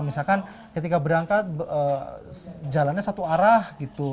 misalkan ketika berangkat jalannya satu arah gitu